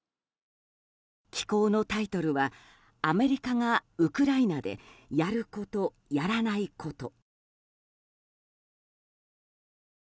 寄稿のタイトルは「アメリカがウクライナでやることやらないこと」。